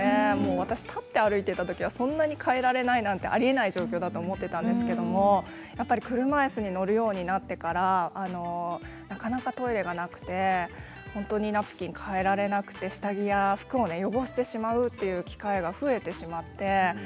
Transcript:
私、立って歩いていたときはそんなに替えられないなんてありえない状況だと思っていたんですけれどもやっぱり車いすに乗るようになってからなかなかトイレがなくて本当にナプキンが替えられなくて下着や服を汚してしまうという機会が増えてしまって。